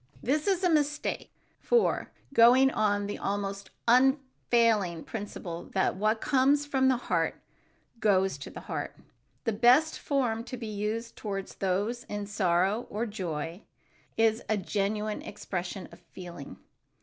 This is a mistake, for, going on the almost unfailing principle that what comes from the heart, goes to the heart, the best form to be used toward those in sorrow or joy is a genuine expression of feeling.